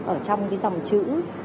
ở trong cái dòng chữ